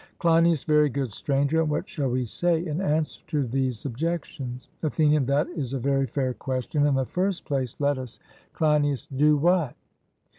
CLEINIAS: Very good, Stranger; and what shall we say in answer to these objections? ATHENIAN: That is a very fair question. In the first place, let us CLEINIAS: Do what?